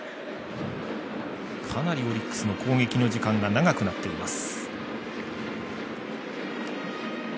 かなりオリックスの攻撃の時間が長くなっています。